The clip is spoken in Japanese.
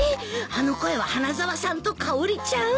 あの声は花沢さんとかおりちゃん！